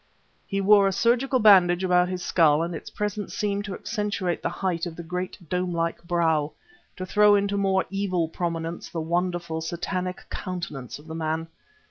He wore a surgical bandage about his skull and its presence seemed to accentuate the height of the great domelike brow, to throw into more evil prominence the wonderful, Satanic countenance of the man.